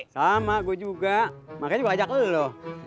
sama gue juga makanya gue ajak lo